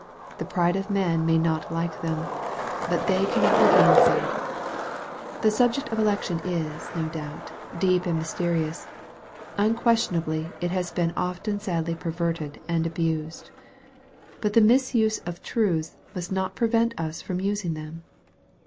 The pride of man may not like them. But they cannot be gainsaid. The subject of election is, no doubt, deep and myste rious. Unquestionably it has been often sadly perverted and abused. But the misuse of truths must not prevent us from using them.